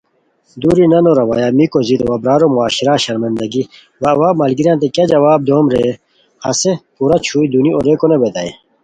دُوری نانو روّیہ، میکیو ضد وا برارو معاشرہ شرمندگی وا اوا ملگریانتین کیہ جواب دوم ریئے ، ہیس پورا چھوئے دونی اوریکو نوبیتائے